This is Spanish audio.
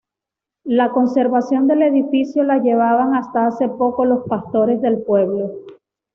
La conservación del edificio la llevaban hasta hace poco los pastores del pueblo.